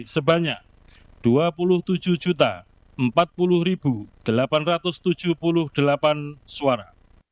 sebanyak dua puluh tujuh empat puluh delapan ratus tujuh puluh delapan suara